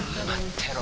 てろ